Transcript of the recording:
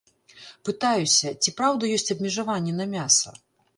Пытаюся, ці праўда ёсць абмежаванні на мяса.